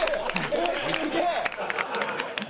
えっすげえ！